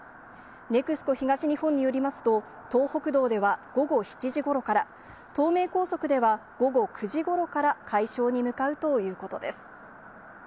ＮＥＸＣＯ東日本によりますと、東北道では午後７時ごろから、東名高速では午後９時ごろから、解消に向かうということです。